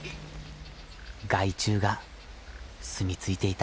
害虫がすみ着いていた。